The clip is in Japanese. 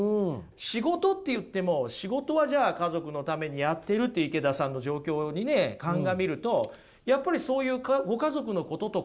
仕事って言っても仕事はじゃあ家族のためにやってるって池田さんの状況にね鑑みると。